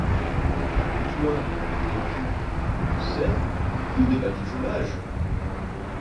Et toi, l’époux, tu sais, plus de batifolage !